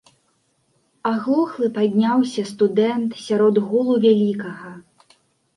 Аглухлы падняўся студэнт сярод гулу вялікага.